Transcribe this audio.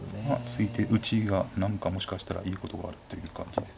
突いて打ちが何かもしかしたらいいことがあるっていう感じで。